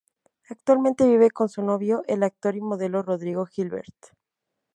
Actualmente vive con su novio, el actor y modelo Rodrigo Hilbert.